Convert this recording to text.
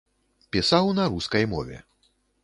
Пісаў на рускай мове.